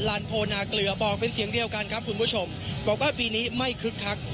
ลานโพนาเกลือบอกเป็นเสียงเดียวกันครับคุณผู้ชมบอกว่าปีนี้ไม่คึกคัก